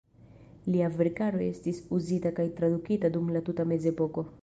Lia verkaro estis uzita kaj tradukita dum la tuta Mezepoko.